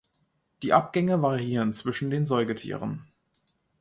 Die Abgänge variieren zwischen den Säugetieren.